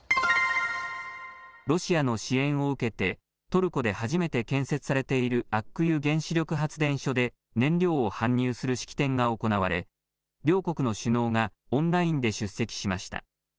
ロシアの支援を受けてトルコで初めて建設されているアックユ原子力発電所で燃料を搬入する式典が行われ両国の首脳がオンラインで出席しました。